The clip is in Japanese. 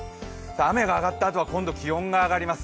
雨が上がったあとは今度は気温が上がります。